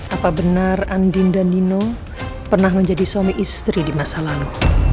apa benar andin dan nino pernah menjadi suami istri di masa lalu